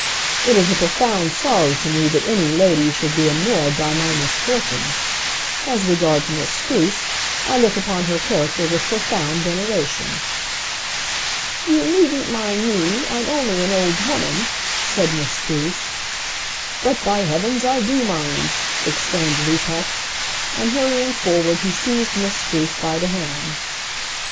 It is a profound sorrow to me that any lady should be annoyed by my misfortunes. As regards Miss Spruce, I look upon her character with profound veneration." "You needn't mind me; I'm only an old woman," said Miss Spruce. "But, by heavens, I do mind!" exclaimed Lupex; and hurrying forward he seized Miss Spruce by the hand.